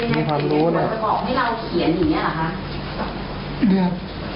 อ๋อมีความรู้เนี่ย